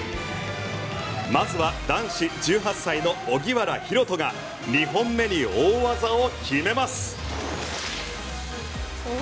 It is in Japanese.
まずは男子１８歳の荻原大翔が２本目に大技を決めます。